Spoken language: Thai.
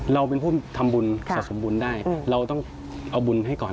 เราเป็นผู้ทำบุญสะสมบุญได้เราต้องเอาบุญให้ก่อน